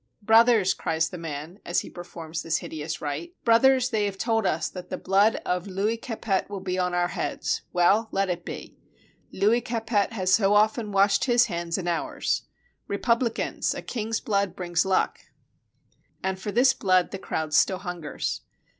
"Broth ers," cries the man, as he performs this hideous rite — 315 FRANCE "brothers, they have told us that the blood of Louis Capet will be on our heads. Well, let it be. Louis Capet has so often washed his hands in ours. Republicans, a king's blood brings luck!" And for this blood the crowd still hungers.